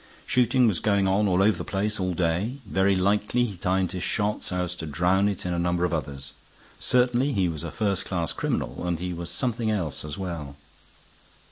Shooting was going on all over the place all day; very likely he timed his shot so as to drown it in a number of others. Certainly he was a first class criminal. And he was something else as well."